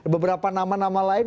beberapa nama nama lain